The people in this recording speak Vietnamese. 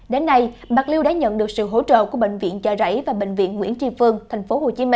đến nay bạc liêu đã nhận được sự hỗ trợ của bệnh viện chợ rẫy và bệnh viện nguyễn tri phương tp hcm